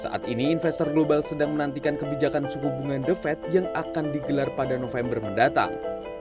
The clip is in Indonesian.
saat ini investor global sedang menantikan kebijakan suku bunga the fed yang akan digelar pada november mendatang